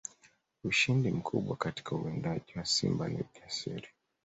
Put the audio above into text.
Ushindi mkubwa katika uwindaji wa simba ni ujasiri